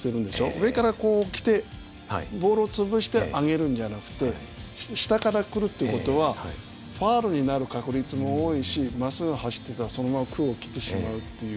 上からこう来てボールを潰して上げるんじゃなくて下から来るっていう事はファウルになる確率も多いしまっすぐ走ってたらそのまま空を切ってしまうっていう。